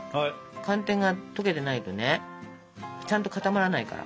寒天が溶けてないとねちゃんと固まらないから。